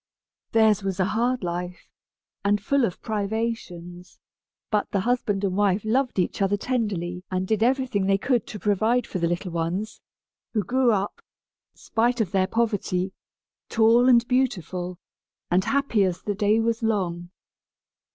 Theirs was a hard life, and full of privations; but the husband and wife loved each other tenderly and did everything they could to provide for the little ones, who grew up, spite of their poverty, tall and beautiful, and happy as the day was long.